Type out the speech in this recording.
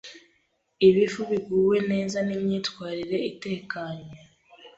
Ibifu Biguwe Neza n’Imyitwarire Itekanye